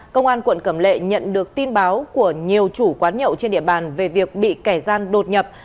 công an quận cẩm lệ nhận được tin báo của nhiều chủ quán nhậu trên địa bàn về việc bị kẻ gian đột nhập